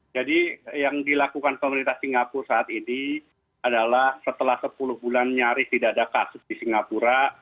jadi yang dilakukan pemerintah singapura saat ini adalah setelah sepuluh bulan nyaris tidak ada kasus di singapura